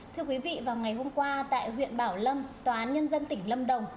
thưa quý vị vào ngày hôm qua tại huyện bảo lâm tòa án nhân dân tỉnh lâm đồng